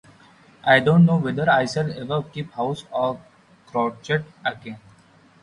I don't know whether I shall ever keep house or crochet again.